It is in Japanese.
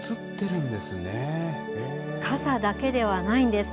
傘だけではないんです。